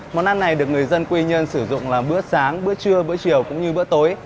món ăn này được người dân quy nhơn sử dụng là bữa sáng bữa trưa bữa chiều cũng như bữa tối